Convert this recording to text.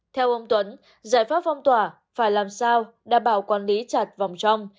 theo ông tuấn giải pháp phong tỏa phải làm sao đảm bảo quản lý chặt vòng trong